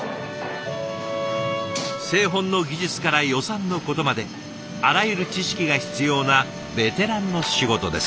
製本の技術から予算のことまであらゆる知識が必要なベテランの仕事です。